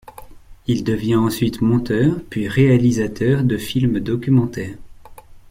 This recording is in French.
Il devient ensuite monteur puis réalisateur de films documentaires.